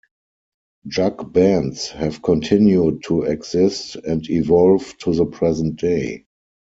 Jug bands have continued to exist and evolve to the present day.